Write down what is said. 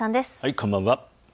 こんばんは。